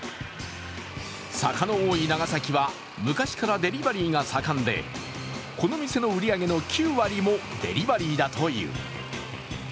坂の多い長崎は昔からデリバリーが盛んでこの店の売り上げの９割もデリバリーだという。